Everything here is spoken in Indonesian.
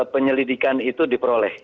penyelidikan itu diperoleh